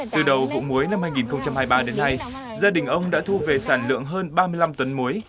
từ đầu vụ muối năm hai nghìn hai mươi ba đến nay gia đình ông đã thu về sản lượng hơn ba mươi năm tấn muối